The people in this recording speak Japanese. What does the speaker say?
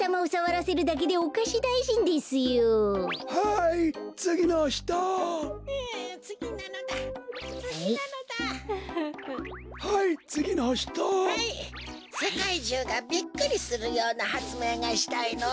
せかいじゅうがびっくりするようなはつめいがしたいのだ。